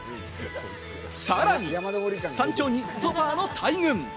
さらに山頂にソファの大群。